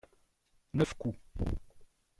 Neuf coups.